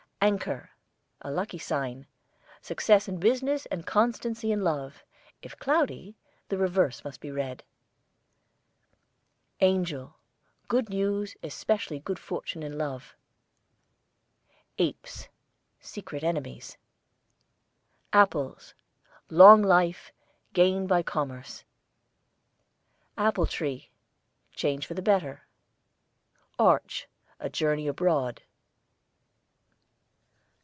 ANCHOR, a lucky sign; success in business and constancy in love; if cloudy, the reverse must be read. ANGEL, good news, especially good fortune in love. APES, secret enemies. APPLES, long life; gain by commerce. APPLE TREE, change for the better. ARCH, a journey abroad.